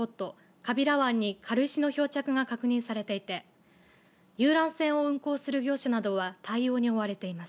川平湾に軽石の漂着が確認されていて遊覧船を運航する業者などは対応に追われています。